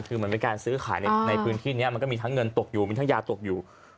คือเหมือนเป็นการซื้อขายในพื้นที่นี้มันก็มีทั้งเงินตกอยู่มีทั้งยาตกอยู่